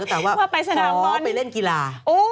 ก็ตามว่ากอไปเล่นกีฬา